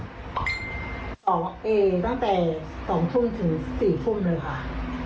๒ปีตั้งแต่๒ทุ่มถึง๔ทุ่มเลยค่ะ